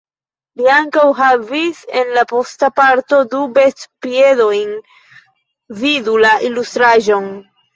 Li ankaŭ havis en la posta parto du bestpiedojn vidu la ilustraĵon.